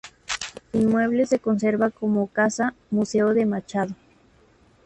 El inmueble se conserva como Casa-Museo de Machado.